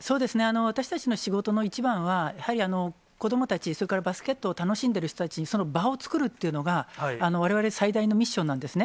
私たちの仕事の一番は、やはり子どもたち、それからバスケットを楽しんでいる人たちに、その場を作るっていうのが、われわれ最大のミッションなんですね。